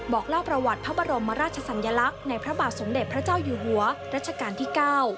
บอกเล่าประวัติพระบรมราชสัญลักษณ์ในพระบาทสมเด็จพระเจ้าอยู่หัวรัชกาลที่๙